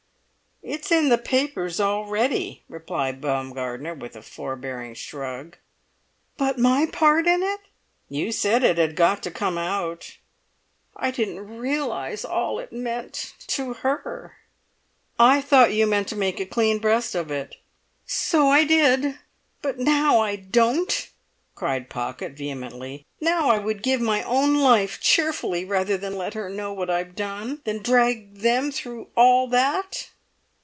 "It's in the papers already," replied Baumgartner, with a forbearing shrug. "But my part in it!" "You said it had got to come out." "I didn't realise all it meant—to her!" "I thought you meant to make a clean breast of it?" "So I did; but now I don't!" cried Pocket, vehemently. "Now I would give my own life, cheerfully, rather than let her know what I've done—than drag them all through that!"